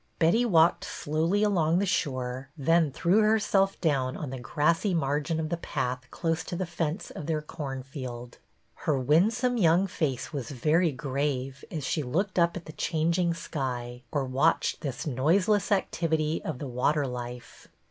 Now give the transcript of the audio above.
Betty walked slowly along the shore, then threw herself down on the grassy margin of the path close to the fence of their cornfield. Her winsome young face was very grave as she looked up at the changing sky, or watched this noiseless activity of the water life.